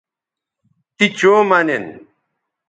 تی چوں مہ نن